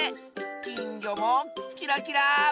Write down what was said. きんぎょもキラキラー！